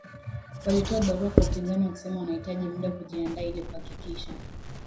Walitoa barua kwa upinzani wakisema wanahitaji muda kujiandaa ili kuhakikisha